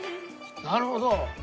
なるほど。